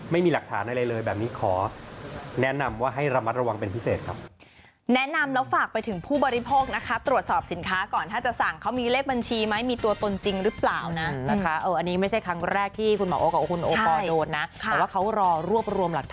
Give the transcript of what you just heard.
ไม่มีหลักฐานอะไรเลยแบบนี้ขอแนะนำว่าให้ระมัดระวังเป็นพิเศษครับ